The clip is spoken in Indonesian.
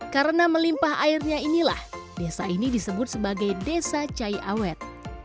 karena melimpah airnya inilah desa ini disebut sebagai desa cai awet